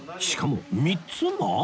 しかも３つも！？